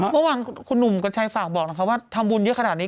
เมื่อวานคุณหนุ่มกัญชัยฝากบอกนะคะว่าทำบุญเยอะขนาดนี้